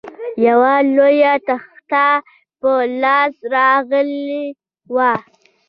یوه لویه تخته په لاس راغلې وه.